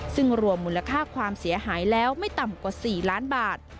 ซึ่งรวมมูลค่าความเสียหายแล้วไม่ต่ำกว่า๔ล้านบาท